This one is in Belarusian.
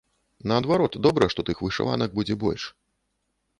Наадварот, добра, што тых вышыванак будзе больш.